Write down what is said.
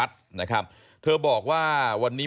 ถ้าเขาถูกจับคุณอย่าลืม